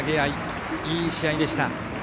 いい試合でした。